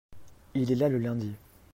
il est là le lundi.